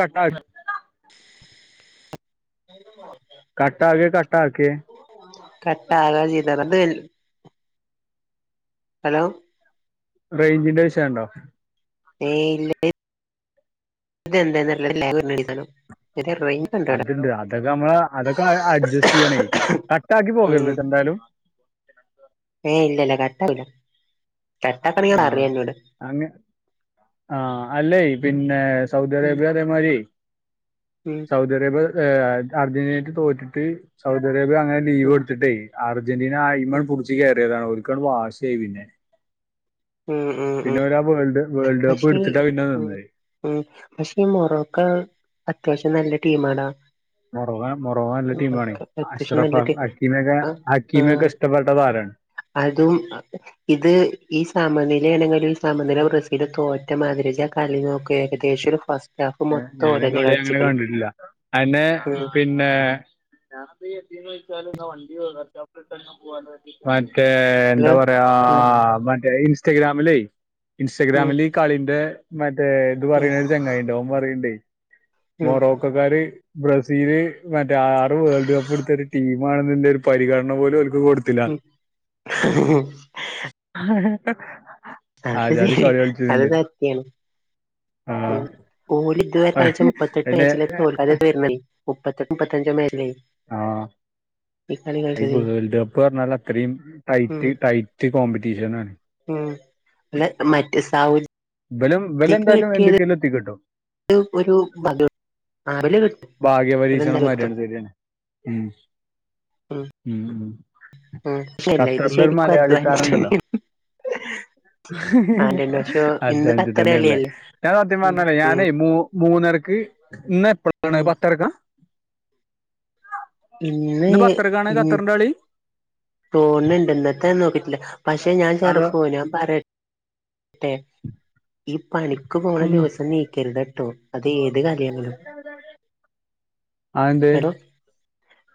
കട്ടാക് ക [unintelligible] കട്ടാകെ കട്ടാക്കെ കട്ടാകാ ചെയ്താ അത് ഹലോ റേഞ്ചിന്റെ വിഷയം ഉണ്ടോ ഏയ് ഇല്ല ഇത് എന്താന്ന് ഉള്ളത് [unintelligible] ഇത് റേഞ്ച് ഉണ്ടോ അവിടെ അത്ണ്ട് അതൊക്കെ നമ്മള് അതൊക്കെ അഡ്ജസ്റ്റ് ചെയ്യണേയ് കട്ട് ആക്കി പോകരുത്ട്ടോ എന്തായാലും ഏയ് ഇല്ലല്ല കട്ടകൂല കട്ടാക്കണങ്കി ആ പറയാ എന്നോട് അങ്ങ ആഹ് അല്ലേയ് പിന്നെ സൗദി ഉം അറേബ്യ അതേമാരിയേയ് ഉം സൗദി അറേബ്യ ഏഹ് അർജന്റീനിറ്റും തോറ്റിട്ട് സൗദി അറേബ്യ അങ്ങനെ ലീവ് ഉം കൊടുത്തിട്ടേയ് അർജന്റീന അയ്മ്മേ ഉം പുടിച്ച് കയറിയതാണ് ഓൽക്ക് അങ്ങട്ട് വാശി ആയി പിന്നെ ഉം ഉം പിന്നെ ഉം ഓരാ വേൾഡ് വേൾഡ് കപ്പ് പക്ഷേ ഈ എടുത്തിട്ടാ പിന്നെ ഉം നിന്നത് ഉം പക്ഷെ ഈ മൊറോക്ക അത്യാവശ്യം നല്ല ടീം ആടാ മൊറോ മൊറോക്ക നല്ല ടീമാണേയ് അത്യാവശ്യം അഷ്റഫ നല്ല ടീ അക്കീമക്കെ ആ ആ ഹക്കീമൊക്കെ ഇഷ്ടപ്പെട്ടത് ആരാണ് അതും ഇത് ഈ സമനിലേണങ്കിലും സമനില ബ്രസീലും തോറ്റ മാതിരി ഇജ്ജ് ആഹ് കളി നോക്കേ ഏകദേശം ഒരു ഫസ് ഏഹ് ഞാൻ ആഹ് കളി അങ്ങനെ കണ്ടിട്ടില്ല അയന്നെ ഉം പിന്നെ പിന്നെ ഞാനത് എന്ന് വെച്ചാല് വണ്ടിർച്ച പോ മറ്റേ എന്താ ഹലോ പറയാ ഉം മറ്റേ ഇൻസ്റ്റഗ്രാമിലേയ് ഉം ഇൻസ്റ്റഗ്രാമിൽ കളിന്റെ മറ്റേ ഇത് ഉം പറയണ ഒരു ചങ്ങായിണ്ട് ഓൻ പറയിണ്ടേ ഉം മൊറോക്കക്കാര് ബ്രസീല് മറ്റേ ആറ് വേൾഡ് കപ്പ് എടുത്ത ഒരു ടീമാണന്നതിന്റെ ഒരു പരിഗണന പോലും ഓൽക്ക് കൊടു ഉം ഹഹ് ഹഹ ഹ്ഹ് അത് ശരിയാ അത് സത്യാണ് ഉം ആഹ് ഓല് ഇതുവരെ കളിച്ച മുപ്പത്തെട്ട് പിന്നെ മാച്ചില തോൽത് വര മുപ്പത്തെട്ട് മുപ്പത്തഞ്ചോ മാച്ചിലേ ആഹ് ഈ കളി കളിച്ചത് അയ്ന് ഈ വേൾഡ് കപ്പ് പറഞ്ഞാൽ അത്രയും ഉം ടൈറ്റ് ടൈറ്റ് കോമ്പറ്റീഷനാണ് ഉം ഇബലത്ത് മറ്റേ സൗദി ഇവലും ഇവല് എന്തായാലും എന്തിക്കേലും എത്തിക്കിട്ടോ ഇവല് ഒരു [unintelligible] ആഹ് ഒരു ഭാഗ്യപരീക്ഷണം മര്യാണ് ശരിയാണ് ഉം ഉം ഉം ഉം പക്ഷെല്ല ഇത് ഖത്തറിലൊരു ശരിക്കും മലയാളി താരം അധ്വാനിച്ചിട്ട് ഉണ്ടല്ലോ തന്നെയാണ് ആന്റണി പക്ഷെ ഇന്ന് ഖത്തർ അധ്വാനിച്ചിട്ടന്നെയല്ലേ കളിയല്ലേ ഞാൻ സത്യം ഉം പറഞ്ഞല്ലേ ഉം ഞാൻ മൂ മൂന്നരക്ക് ഇന്ന് എപ്പഴാണ് ഉം പത്തരക്കാ ഇന്ന് പത്തരക്കാണ് ഖത്തറിന്റെ കളി ഫോണ് ഇണ്ട് ഇന്നത്തേന്ന് നോക്കിട്ടില്ല പക്ഷെ ഞാൻ അതോ [unintelligible] ഞാൻ പറ ട്ടെ ഈ പണിക്ക് പോണ ഉം. ദിവസം നീക്കരുത്ട്ടോ അത് ഏത് കാര്യങ്ങിലും അതെന്തേ [unintelligible]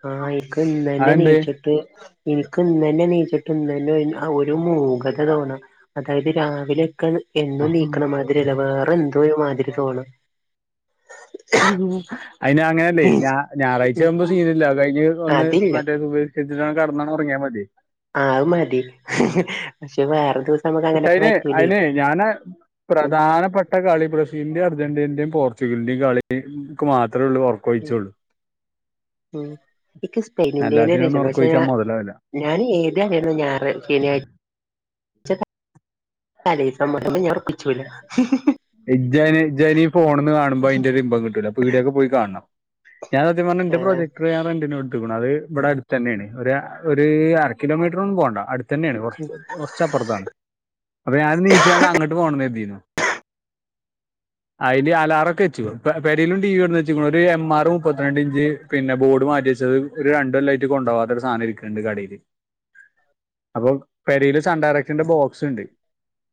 ആഹ് എക്ക് ഇന്നന്നെ അതെന്തേ നീച്ചിട്ട് എനിക്ക് ഇന്ന് തന്നെ നീച്ചിട്ട ഇന്ന് തന്നെ ഒരു മൂഖത തോന്നാ അതായത് രാ രിലക്ക എന്തോ നീക്കണ മാതിരില്ല വേറെ എന്തോ ഒരു മാതിരി തോണ അതിന് അങ്ങനെയല്ലേ ഞ ഞായറാഴ്ച ആകുമ്പോ സീനല്ല കഴിഞ്ഞ് ഒന്ന് അതില്ല മറ്റേ സു [unintelligible] ഉറങ്ങിയ മതി ആഹ് അത് മതി പക്ഷെ വേറെ ദി അതിനെ അതിനെ ഞാന് ഉം പ്രധാനപ്പെട്ട കളി ബ്രസീലിന്റെയും അർജന്റീനന്റെയും പോർച്ചുഗലിന്റെയും കളിക്ക് മാത്രേ ഉള്ള ഉം [unintelligible] ഉം ഇക്ക് സ്പെയിനിന്റെ അല്ലാത്തിനൊന്നും [unintelligible] പക്ഷേ ഉറക്കൊഴിച്ചാൽ മുതലാവില്ല ഞാൻ ഏത [unintelligible] [unintelligible] ഇജ്ജൻ ഇജ്ജനീ ഫോണന്ന് കാണുമ്പോ അയിന്റെ ഒരു ഇമ്പം കിട്ടൂല പീടിയക്ക് പോയി കാണണം ഞാൻ സത്യം പറഞ്ഞ എന്റെ ഏഹ് പ്രൊജക്ട് ഞാൻ റെന്റിന് കൊടുത്തു അത് ഇവിടെ അടുത്ത തന്നെയാണ് ഒരു കിലോമീറ്റർ ഒന്നും പോണ്ട അടു തന്നെയാണ് കുറ ഉം കുറച്ചപ്പുറത്താണ് അപ്പൊ ഞാൻ നീച്ചണ്ട് അങ്ങോട്ട് പോകണ കരുതിയിരുന്നു അതില് അലാറം ഒക്കെ വെച്ചു പെരലും ടി വി എന്ന് വെച്ചു ഒരു എം ആർ മുപ്പത്തിരണ്ട് ഇഞ്ച് പിന്നെ ബോർഡ് മാറ്റി വെച്ചത് ഒരു രണ്ടല്ലം ആയിട്ട് കൊണ്ടുപോവാത്തൊ ഒരു സാധനം ഇരിക്കുന്നുണ്ട് കടയില് അപ്പൊ പരയില് സൺഡറക്റ്റന്റെ ബോക്സ് ഉണ്ട്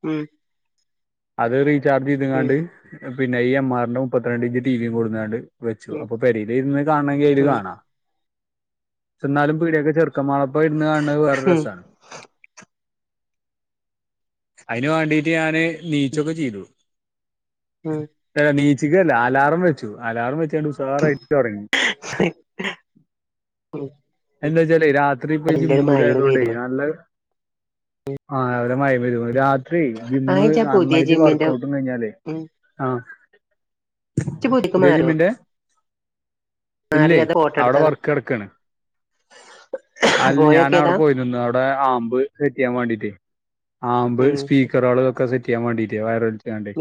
ഉം. അത് റീചാർജ് ഉം ചെയ്ത്ങ്ങാണ്ട്. പിന്നെ ഈ എം ആറിന്റെ മുപ്പത്തിരണ്ട് ഇഞ്ച് ടിവിയും കൊടുന്നാണ്ട്. വെച്ചു ഉം അപ്പൊ പേരയിൽ ഇരുന്ന് കാണമെങ്കിൽ അൽ ഉം കാണാം എന്നാലും പീടിയൊക്കെ ചെ [inaudible] മാളപ്പ ഇരുന്ന് കാണുന്നത് വേറെ ഉം രസമാണ് അതിന് വേണ്ടീട്ട് ഞാന് നീച്ചൊക്കെ ചെയ്തു ഉം. ഏാ നീച്ചിക്കല്ല അലാറം വെച്ചു അലാറം വെച്ചാണ്ട് ഉഷാറായിട്ട് ഉറങ്ങി. ഉം. എന്താച്ചാലെ രാത്രിപ്പോ ജിമ്മും കൂടി ആയത് കൊണ്ടേ പെയ്തത് നല്ല [unintelligible] രാത്രിയേ ജിം ആ ഇജ്ജ് ആ പുതിയ നന്നായിട്ട് ജിമ്മിന്റെ വർക്കഔട്ട്ന്ന് കഴിഞ്ഞാലേ ഉം ആഹ് ഇജ്ജ് പുതിയക്ക് പുതിയ മാറിയോ ജിമ്മിൻ്റെ മാറി ഇല്ലേ അതോ ഫോട്ടോ അവിടെ എടുത്തതാ വർക്ക് നടക്കുവാണ് അല്ല ഞാൻ അവിടെ പോയോക്കിയതാ പോയി നിന്ന് അവിടെ ആമ്പ് സെറ്റ് ചെയ്യാൻ വേണ്ടീട്ടേ ആമ്പ് ഉം സ്പീക്കറുകളൊക്കെ ഇതൊക്കെ സെറ്റ് ചെയ്യാൻ വേണ്ടീട്ട വയറ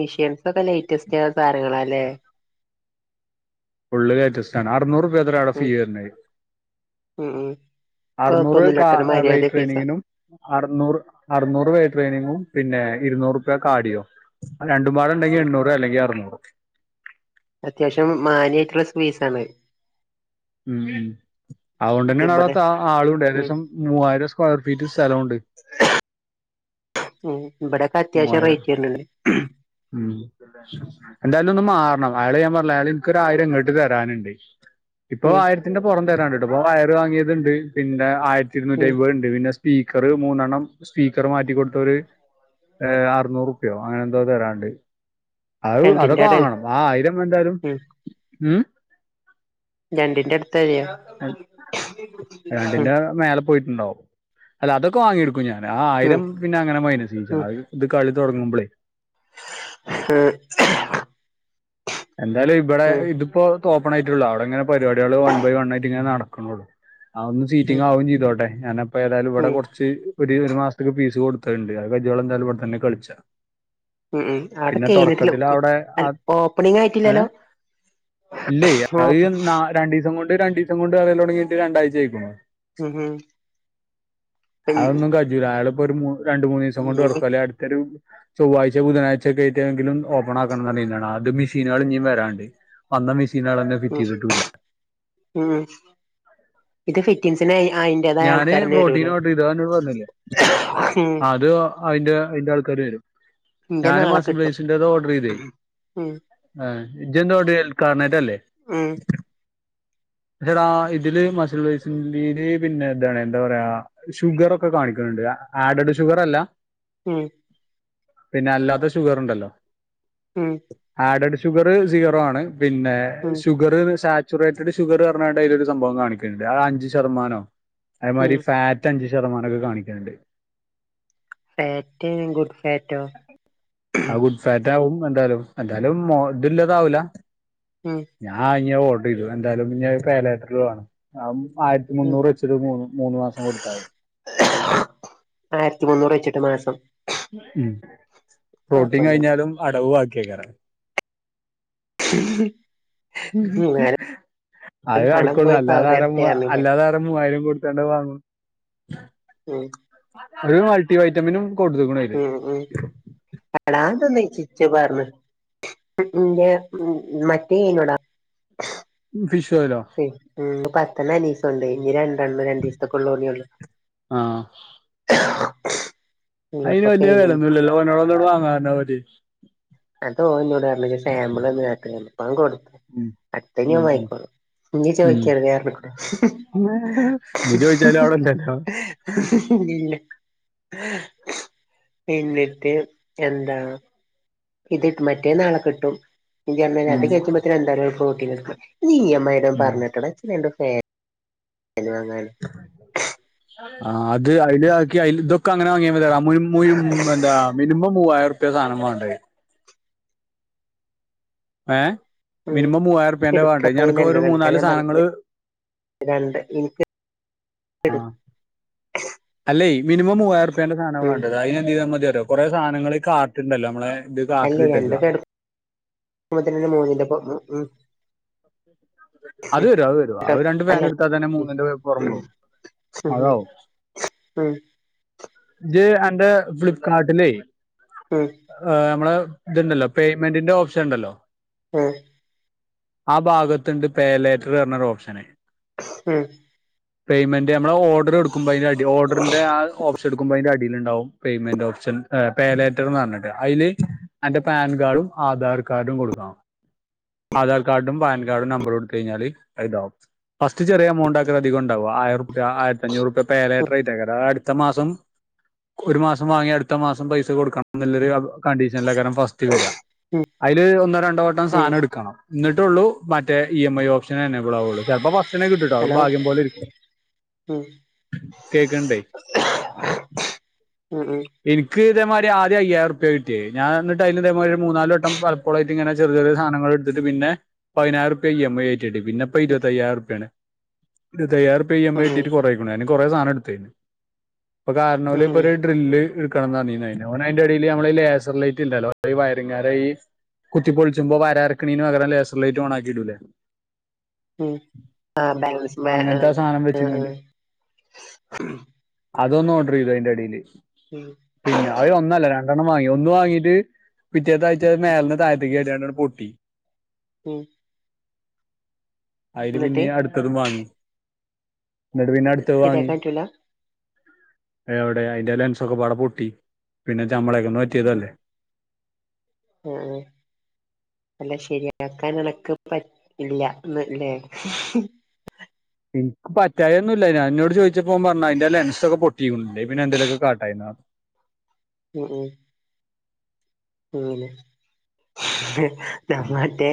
മെഷീൻസ് ഒക്കെ ലേറ്റസ്റ്റ് സാധനങ്ങള അല്ലേ എല്ലാം ലേറ്റസ്റ്റ് ആണ് അറുന്നൂറ് രൂപയാണ് ഒരാളുടെ ഉം ഫീ വരുന്ന ഉം ഉം അറനൂറ് കാ കൊഴപ്പൊന്നുല്ലട്ടോ ഒരു വെ മര്യാദക്ക് പൈസ ട്രെയിനിങ്ങിനും അറുന്നൂറ് അറുന്നൂറ് വേ ട്രെയിനിങ്ങും പിന്നെ ഇരുന്നൂറ് രൂപ കാടിയോ രണ്ടുമ്പാട ഉണ്ടെങ്കി ഉം എണ്ണൂറ് അല്ലെങ്ക അറുന്നൂറ് അത്യാവശ്യം മാനയായിട്ടുള്ള [unintelligible] ആണ് ഉം ഉം അതുകൊണ്ട് തന്നെയാണ് ഇവിടെ അവിടത്തെ ആളുണ്ട് ഉം ഏകദേശം മൂവായിരം സ്ക്വയർ ഫീറ്റ് സ്ഥലുണ്ട്. ഉം ഇവിടെക്കെ അത്യാവശ്യം മൂവായിരം റേറ്റ് വരുന്നുണ്ട്. ഉം. എന്തായാലും ഒന്ന് മാറണം അയാളെ ഞാൻ പറഞ്ഞില്ല അയാള എനിക്കൊരു ആയിരം ഇങ്ങോട്ട് തരാനുണ്ട്. ഇപ്പൊ ഉം ആയിരത്തിന്റെ പുറം തരാണ്ട്ട്ടോ ഇപ്പൊ വയർ വാങ്ങിയത്ണ്ട് പിന്നെ ആയിരത്തിഇരുന്നൂറ്റി ഉം അമ്പത് ഉണ്ട് പിന്നെ സ്പീക്കറ് മൂന്നെണ്ണം സ്പീക്കർ മാറ്റിക്കൊടുത്തരു [inaudible] ഏ അറുന്നൂറു റൂപ്യയോ അങ്ങനെ എന്തോ തരാണ്ട്. അത് രണ്ടിന്റെ അതൊക്കെ അടെ വാങ്ങണം ആഹ് ആയിരം എന്തായാലും ഉം ഉം. രണ്ടിന്റെ അടുത്തായോ. രണ്ടിന്റെ മേലെ പോയിട്ടുണ്ടാവും അല്ല അതൊക്കെ വാങ്ങിടും. ഞാൻ ഉം ആയിരം പിന്ന അങ്ങനെ മയിനസ് യ്യ്ച്ചാണ് ഉം അത് ഇത് കളി തുടങ്ങുമ്പോളേ. [unintelligible] എന്തായാലും ഇവിടെ ഉം ഇത്പ്പോ തോപ്പൺ ആയിട്ടുള്ളൂ ആടെ ഇങ്ങനെ പരിപാടികൾ വൺ ബൈ വൺ ആയിട്ട് ഇങ്ങനെ നടക്കുണോള്ളൂ ആഹ് ഒന്ന് ഉം സീറ്റിംഗ് ആവും ചെയ്തോട്ടെ ഞാനപ്പ ഏതായാലും ഇവിടെ ഉം കോറച്ച് ഒര് ഒരു മാസ്ത്ത്ക്ക് പീസ് കൊടുത്തണ്ട് അത് കജ്ജോളം എന്താലും ഇവിട തന്നെ കളിച്ചാ. ഉം പിന്നെ തോടക്കത്തില് അവിടെ ആഹ്. ഒപ്പണിംഗ് ആയി. എങ്ങനെ ഇല്ലയ് അഹ് ഉം എന്നാ. രണ്ടീസം കൊണ്ട് രണ്ടീസം കൊണ്ട് പറല് ലോടങ്ങീട്ട് രണ്ടാഴ്ചയാക്കുണു. ഉം ആന്നും കജൂല അയാള് ഇപ്പോ ഒരു മൂന്. രണ്ട് മൂന്നിസം കൊണ്ട് ഒടക്കും അല്ലെ അടുത്തൊരു. ചൊവ്വാച്ച ബുധനാഴ്ച്ച ക്കെയിട്ട്ങ്കിലും ഓപ്പണാക്കണം ന്നുപറനീനു ഞാൻ ആദ്യം. മെഷീനാള് ഇഞ്ഞീം വരാണ്ട് വന്ന മിഷനാളന്നെ. മ്മ് മ്മ് ഇത് ഫിറ്റിൻസിനെ അയിന്റേതായ ഞാന് ആൾക്കാരനെ പ്രോട്ടീൻ വരൂലെ. ഓർഡർ ചെയ്തു അത് അന്നോട് അയിന്റെ അയിന്റെ ആൾക്കാര് വരും ഇന്റെ ഞാനും നാളെ കിട്ടും മസംബ്ലസിന്റെത് ഓർഡർ ചെയ്തെ. ഉം ആഹ് ഇജ്ജ് ന്തോടി കാർനെറ്റ് ല്ലെ ഉം ജ്ജ് ടാ ഇതില് മസുലു ഫൈസ് ന്റെല്. പിന്നെ ഇതാണ് എന്താ പറയാ ഷുഗർ ഒക്കെ കാണിക്ക് ണ് ണ്ട് ആഡഡ് ഷുഗർ അല്ല. മ്മ് പിന്ന അല്ലാത്ത ഷുഗർ ഉണ്ടല്ലോ മ്മ് ആഡഡ് ഷുഗർ സീറോ ആണ് പിന്നെ ഉം ഷുഗറ് ശാ സുക്റേറ്റഡ് ഷുഗർ റഞാണ്ട് അയില് ഒരു സംഭവം കാണിക്ക് ൻണ്ട് ആഹ് അഞ്ച് ശതമാനോ ഉം അയ്മാരി ഫാറ്റ് അഞ്ചു ശതമാനൊക്കെ കാണിക്ണ് ണ്ട് ഫാറ്റ് ഗുഡ് ഫാറ്റോ ആ ഗുഡ് ഫാറ്റ് ആകും എന്തായാലും എന്തായാലും മോ ഇത് ല്ലതാവൂല മ്മ് ഞാൻ അയിഞ്ഞി ഓർഡർ ചെയ്തു എന്താലും പേലറ്റർ വേണം ആയിരത്തി ഉം മുന്നൂറ് വെ മൂന്ന് മാസം കൊടുത്തായി ആയിരത്തി മുന്നൂറ് വച്ചിട്ട് മാസം ഉം പ്രോട്ടീൻ കൊഴപ്പൊന്നുല്ല കഴിഞ്ഞാലും അടവ് വാക്കിയാക്കാരം എന്നാലും അത് പണം നടക്കുള്ളൂ പോയി അല്ലാതെ പവറ് ആരാ വരട്ടെ പറഞ്ഞില്ലേ അല്ലാതെ ആരാ മൂവായിരം കൊടുത്താണ്ട് അത് വാങ്ങുണു [unintelligible] ഒരു മൾട്ടി വൈറ്റമിനും കൊടുത്ത് ക്കുണയില് അടാ തോന്ന് ഇച്ച് ഇച്ച് പറഞ് എന്റെ മറ്റേ നോടാ ഫിഷ് പോലോ പത്തണ്ണം അനീസ് കൊണ്ടോയി ഇനി രണ്ടണ്ണം രണ്ടീസത്തകൊള്ളൂ ഇനി ള്ളു ആഹ് [unintelligible] അയിന് അപ്പൊ വല്യയ കഴിഞ്ഞ് വെലയോന്നും ഇല്ലല്ലോ ഓനോട്‌ ഒന്ന് ഇങ്ങണ്ട് വാങ്ങാൻ പറഞ്ഞാ മതിയേ അതോൻ ഇന്നോട് പറഞ് ഇജ്ജ് ഒര് സാമ്പിൾ ഒന്ന് കാട്ട് പ്പോ ഞാൻ കൊടുത്ത് ഉം അടുത്തേ ഓൻ ഉം വാങ്ങിക്കോളും ഇഞ്ഞി ഉം ചോയിക്കരുതേ റഞ്ഞുകുണു ഉം ഇനി ചോദിച്ചാലും അവിടെ ഇല്ലല്ലോ [unintelligible] ഇല്ല എന്നിട്ട് എന്താ ഇത്ട്ടും മറ്റേ നാളെ കിട്ടും ഇജ്ജ് തന്നെ ഉം രണ്ട് കജ്ജ് ബത്തിന് എന്തായാലും പ്രോടീൻ എടുക്കണം ഇഞ്ഞി ഇ മ യി ഉം പറഞ്ഞിട്ടട ച്ച് രണ്ട് ഫാന് വാങ്ങാന് ആഹ് അത് അയിൽ ആക്കിയാ അയില് ഇതൊക്കെ അങ്ങനെ വാങ്ങിയ മതി ടാ മുഴു മുഴു എന്താ മിനിമം മൂവായിരം രൂപ്യ സധനം വേണ്ടെ ഏ ഉം മിനിമം മൂവായിരം ഉറുപ്യന്റെ എടുക്കാ വേണ്ടേ ഞനക്ക് ഒരു കൈയിലുള്ളത് എടുക്കാ മൂന്നാല് ഞാൻ പറഞ്ഞ സാധനങ്ങള് രണ്ട് എനിക്ക് എട് അല്ലെ മിനിമം മൂവായിരം രൂപ്യാൻ്റെ സാധനം ഉം വേണ്ടത് അതിന് എന്ത് ചെയതാ മതി കുറെ സാധനങ്ങളുടെ കാർട്ടുണ്ടല്ലോ നമ്മളെ ഇത് കാർട്ടിലിട്ടേക്കുക ഇപ്പോ തന്നെ മൂന്നിലിപ്പ ഉം ഉം അത് വരും അത് വരും അത് രണ്ട് ഫാൻ അല്ല എടുത്താൽ തന്നെ മൂന്നിന്റെ അപ്പുറം പോകും ഉം അതാവും ഉം ഇത് ആന്റെ ഫ്ലിപ്കാർട്ടിലേ ഉം അ് നമ്മളെ ഇതുണ്ടല്ലോ പേയ്മെന്റിന്റെ ഓപ്ഷൻ ഉണ്ടല്ലോ ഉം ആ ഭാഗത്തുണ്ട് പേലേറ്റർ പറഞ്ഞൊരു ഓപ്ഷന് ഉം പേയ്മെന്റ് നമ്മള് ഓർഡർടുകുമ്പോ അതിന്റെടി ഓർഡറിന്റെ ആ ഓപ്ഷൻ എടുക്കുമ്പോ അതിന്റെ അടിൽലുണ്ടാവും പേയ്മെന്റ് ഓപ്ഷൻ പേലേറ്റർ എന്ന് പറഞ്ഞിട്ട് അതില് ആന്റെ പാൻ കാർഡും ആധാർ കാർഡും കൊടുക്കാം ആധാർ കാർഡും പാൻ കാർഡും നമ്പർ കൊടുത്ത് കഴിഞ്ഞാല് അത് ഇതാവും ഫസ്റ്റ് ചെറിയ എമൗണ്ട് ആക്ക ണ്ടാവും ആയിരൂപ്യാ അയിരത്തി അഞ്ഞൂറ് രൂപ്യ ഉം പേലെറ്ററ് [unintelligible] ത്ത മാസം ഒരു മാസം വാങ്ങിയ അടുത്ത മാസം പൈസ കൊടുക്കണ നല്ലൊരു കൺ കണ്ടീഷൻല്ലേകാരം ഫസ് വരിക അയ്ല് ഒന്നോ രണ്ടോ വട്ടം ഉം സാനട്ക്കണം ഇന്നിട്ടൊള്ളൂ മറ്റേ E M I option enable ആവൊള്ളു ചെൽപ്പോ ഫസ്റ്റെന്നെ കിട്ടുട്ടോ അത് ഹലോ ഭാഗ്യം പോലിര്ക്കും ഉം കേക്കിണ്ടേ ഉം ഉം ഇനിക്ക് ഇതേമാരി ആദ്യം അയ്യായ്റുപ്പ്യേ കിട്ട്യെ ഞാൻ ഇന്നിട്ട് അയില് ഇതേമാരി ഒര് മൂന്നാലട്ടം പലപ്പോളയ് ഇങ്ങനെ ചെറിയ ചെറിയ സാധങ്ങൾ ഇട്ടിട്ട് പിന്നെ പൈനായ്റുപ്പ്യ ഈ എം ഐറ്റിട്ട് പിന്നെപ്പൊ ഇര്വത്തയ്യായ്റുപ്പ്യയാണ് ഇരുപത്തയ്യാറു ഇ എം ഉം ഐ ഉം ഇട്ടിട്ട് കൊറേക്ക്ണു ഞാന് കൊറേ സാനട്ത്ത് ഇപ്പൊ കാർണോല് ഉം ഉം ഇപ്പൊരു ഡ്രില്ല് എട്ക്കണംന്നർന്നീന് അയ്ന് ഓന് അയ്ന്റെടീല് നമ്മളേ ഈ ലേസർ ലൈറ്റ് ഇണ്ടല്ലോ ഈ വയറിങ്ങാരെ ഈ കുത്തി പെൾച്ചുമ്പൊ വരാര്ക്കിണീന് പകരം ലെസർ ലേറ്റ് ഓണാക്കിടൂലേ ഉം ആഹ് ബാലൻസിമ്മെ അങ്ങനത്തെ ആ ഉം സാധനം ഉം വെച്ചുകൊണ്ട് ഉം അതൊന്നൊഡ്രേയ്തു അയ്ന്റെടീല് ഉം പിന്നെ അ ഒന്നല്ല രണ്ടെണ്ണം വാങ്ങി ഒന്ന് വാങ്ങീത് പിറ്റേത്തായ്ച്ച അ മേലെന്ന് തായ്ത്തിക്കാട്യാണ്ടണ് പൊട്ടി ഉം അതില് എന്നിട്ട് പിന്നെ അടുത്തതും വാങ്ങി എന്നിട്ട് പിന്നെ അട് ത്തത് വാങ്ങി ശരിയാക്കാൻ പറ്റൂല എവ്ടെ അയ്ന്റെ ലെൻസൊക്കപ്പാടെ പൊട്ടി പിന്നെ ചമ്മളൊക്കെന്ന് പറ്റ്യേതല്ലേ ഉം ഉം അല്ല ശരിയാക്കാൻ ഉള്ളക്കെ പറ്റില്ലല്ലേ ഉം പറ്റായൊന്നുല്ല ഞാ ഇന്നോട് ചോയ്ച്ചപ്പോൻ പർഞ്ഞ് അയ്ന്റെ ലെൻസൊക്കെ പൊട്ടീണു ഇല്ലെങ്കി പിന്നെ എന്തേലൊക്കെ കാട്ടായ്ന്നർഞ് ഉം ഉം അങ്ങനെ ഉം മറ്റേ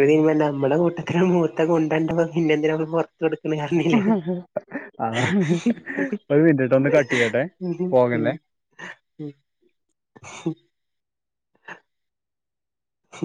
എടി ഒരു നമ്മുടെ കൂട്ടത്തിരു മുത്ത കൊണ്ടൻ്റെ പിന്നെ എന്തിനമ്മള് പുറത്ത് കൊടുക്കണ കാരണില്ലേ അതാണ് ഒരു മിനിറ്റ് ട്ടോ ഒന്ന് കട്ട് ചെയ്യട്ടെ ഉം പോകല്ലേ ഉം ഉം ഉം